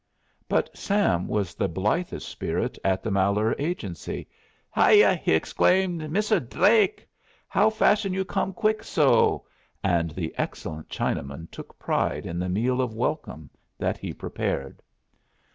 But Sam was the blithest spirit at the Malheur Agency. "Hiyah!" he exclaimed. "Misser Dlake! How fashion you come quick so?" And the excellent Chinaman took pride in the meal of welcome that he prepared.